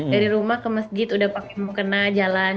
dari rumah ke masjid udah pakai mukena jalan